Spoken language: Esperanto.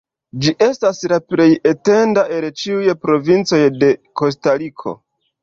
Ĝi estas la plej etenda el ĉiuj provincoj de Kostariko.